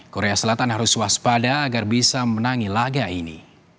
korea selatan harus waspada agar bisa menangi laga ini